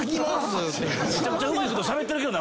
めちゃくちゃうまいことしゃべってるけどな。